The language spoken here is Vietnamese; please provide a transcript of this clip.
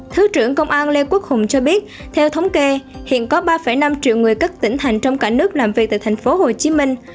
thứ trưởng công an lê quốc hùng cho biết theo thống kê hiện có ba năm triệu người các tỉnh thành trong cả nước làm việc tại thành phố hồ chí minh